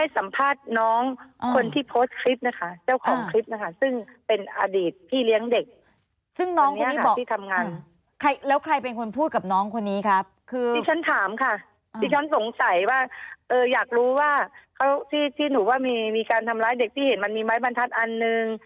สงสัยว่าอยากรู้ว่าที่หนูว่ามีการทำร้ายเด็กที่เห็นมันมีไม้บรรทัดอันหนึ่ง